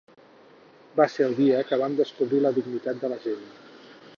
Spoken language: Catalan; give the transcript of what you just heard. Va ser el dia que vam descobrir la dignitat de la gent.